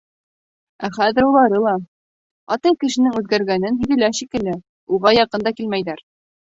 Ә хәҙер улары ла... атай кешенең үҙгәргәнен һиҙенә шикелле, уға яҡын да килмәйҙәр.